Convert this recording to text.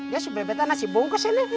ya sebenernya betah nasi bungkus ini